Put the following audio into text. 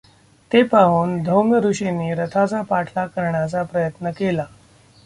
ते पाहून धौम्य ऋषींनी रथाचा पाठलाग करण्याचा प्रयत् न केला.